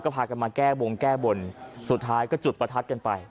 พากันมาแก้บงแก้บนสุดท้ายก็จุดประทัดกันไป